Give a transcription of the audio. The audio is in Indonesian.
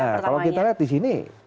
nah kalau kita lihat disini